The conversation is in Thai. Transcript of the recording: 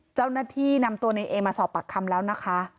เจ้าหน้าที่นำตัวในเอมาสอบปากคำแล้วนะคะ